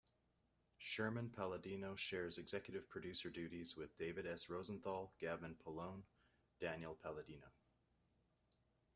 Sherman-Palladino shares executive producer duties with David S Rosenthal, Gavin Polone, Daniel Palladino.